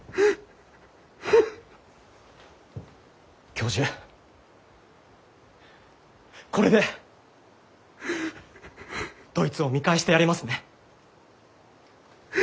教授これでドイツを見返してやれますね。